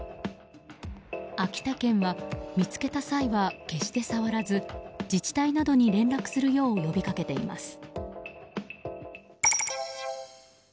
秋田県は見つけた際は決して触らず自治体などに連絡するよう呼びかけています。